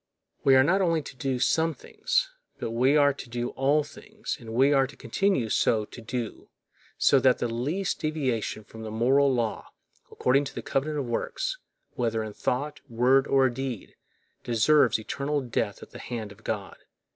We are not only to do some things, but we are to do all things, and we are to continue so to do, so that the least deviation from the moral law, according to the covenant of works, whether in thought, word, or deed, deserves eternal death at the hand of God.